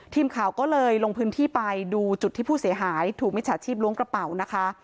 ทีมข่าวก็เลยลงพื้นที่ไปดูจุดที่ผู้เสียหายถูกมิจฉาชีพล้วงกระเป๋านะคะ